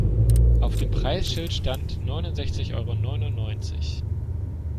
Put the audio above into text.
Auf dem Preisschild stand neunundsechzig Euro neunundneunzig.